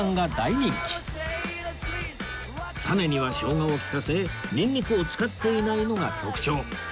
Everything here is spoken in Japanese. タネには生姜を利かせニンニクを使っていないのが特徴